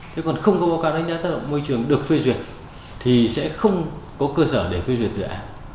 thế còn không có báo cáo đánh giá tác động môi trường được phê duyệt thì sẽ không có cơ sở để phê duyệt dự án